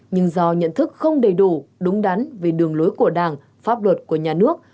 nhưng do nhận thức không đầy đủ đúng đắn về đường lối của đảng pháp luật của nhà nước